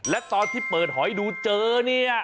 และตอนที่เปิดหอยดูเจอเนี่ย